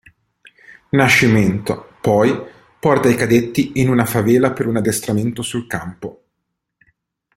Nascimento, poi, porta i cadetti in una favela per un addestramento sul campo.